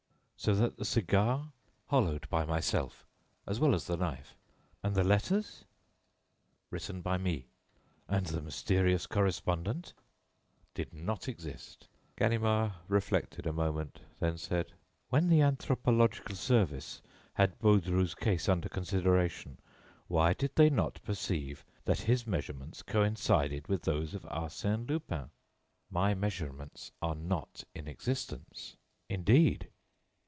"So that the cigar...." "Hollowed by myself, as well as the knife." "And the letters?" "Written by me." "And the mysterious correspondent?" "Did not exist." Ganimard reflected a moment, then said: "When the anthropological service had Baudru's case under consideration, why did they not perceive that his measurements coincided with those of Arsène Lupin?" "My measurements are not in existence." "Indeed!"